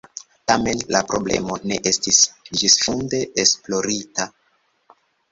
Tamen la problemo ne estis ĝisfunde esplorita.